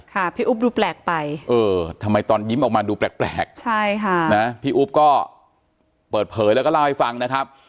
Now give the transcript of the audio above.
พี่อุ๊บดูแปลกไปเออทำไมตอนยิ้มออกมาดูแปลกใช่ค่ะนะพี่อุ๊บก็เปิดเผยแล้วก็เล่าให้ฟังนะครับ